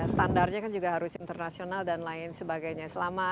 standarnya kan juga harus internasional dan lain sebagainya